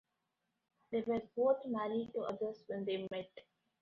They were both married to others, when they met.